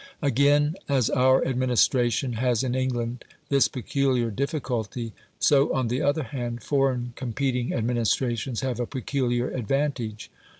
Again, as our administration has in England this peculiar difficulty, so on the other hand foreign competing administrations have a peculiar advantage.